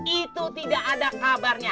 itu tidak ada kabarnya